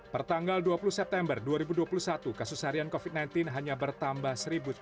pertanggal dua puluh september dua ribu dua puluh satu kasus harian covid sembilan belas hanya bertambah satu tujuh ratus